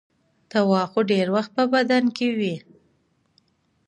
دوا خو ډېر وخت په بدن کې وي.